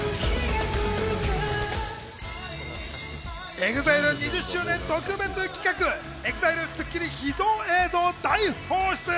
ＥＸＩＬＥ２０周年特別企画、ＥＸＩＬＥ、『スッキリ』秘蔵映像大放出。